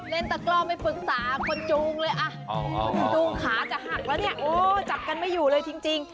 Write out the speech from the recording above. เล่นตะกรองไม่ฟื้นสาค้าจะหักแล้วจับกันไม่อยู่เลยจริง